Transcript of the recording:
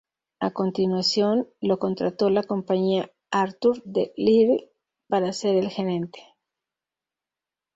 A continuación lo contrató la compañía Arthur D. Little para ser el gerente.